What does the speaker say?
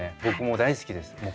僕も大好きです。